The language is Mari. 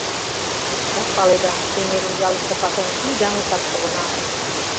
— Шкат паледа: кеҥежым ялыште паша — шӱй даҥытак погына.